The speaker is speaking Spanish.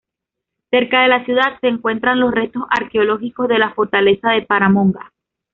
Cerca de la ciudad se encuentran los restos arqueológicos de la Fortaleza de Paramonga.